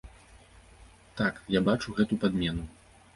Так, я бачу гэту падмену.